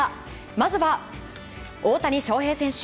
まずは大谷翔平選手。